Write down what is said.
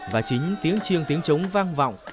và chính tiếng chiêng tiếng trống vang vọng